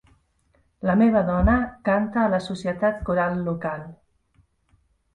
La meva dona canta a la societat coral local